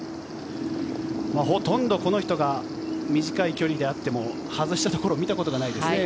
ほとんどこの人が短い距離であっても外したところを見たことがないですね